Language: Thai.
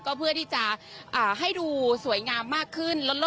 ก็เพื่อที่จะให้ดูสวยงามมากขึ้น